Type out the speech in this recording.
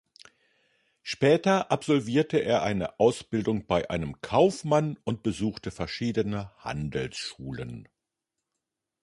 Später absolvierte er eine Ausbildung bei einem Kaufmann und besuchte verschiedene Handelsschulen.